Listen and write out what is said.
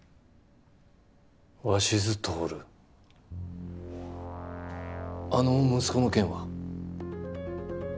鷲津亨あの息子の件は？